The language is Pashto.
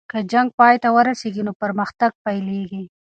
که جنګ پای ته ورسیږي نو پرمختګ پیلیږي.